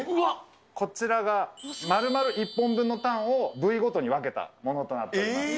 こちらがまるまる１本分のタンを部位ごとに分けたものとなっています。